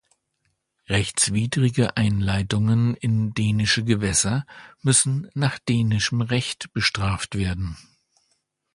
Rechtswidrige Einleitungen in dänische Gewässer müssen nach dänischem Recht bestraft werden.